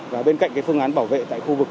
và bên cạnh cái phương án bảo vệ tại khu vực